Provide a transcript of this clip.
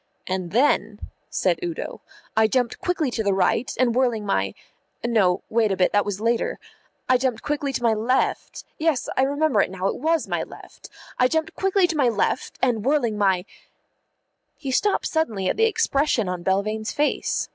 "And then," said Udo, "I jumped quickly to the right, and whirling my no, wait a bit, that was later I jumped quickly to my left yes, I remember it now, it was my left I jumped quickly to my left, and whirling my " He stopped suddenly at the expression on Belvane's face.